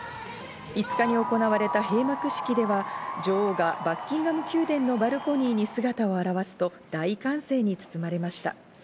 ５日に行われた閉幕式では女王がバッキンガム宮殿のバルコニーに姿を現すと、大歓声に包まれました。